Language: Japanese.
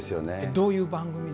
どういう番組で？